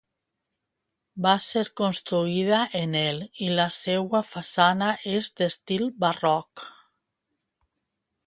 Va ser construïda en el i la seua façana és d'estil barroc.